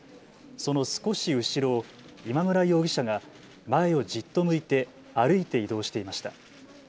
その少し後ろを今村容疑者が前をじっと向いて歩いて移動していました。